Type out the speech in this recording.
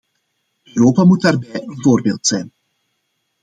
Europa moet daarbij een voorbeeld zijn.